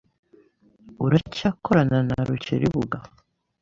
Uracyakorana na Rukeribuga?